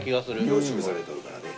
凝縮されとるからね。